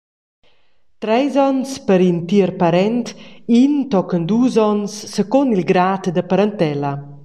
Treis onns per in tierparent, in tochen dus onns secund il grad da parentella.